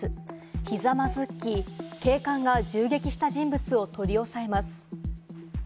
ひざまづき、警官が銃撃した人物を取り押さえます。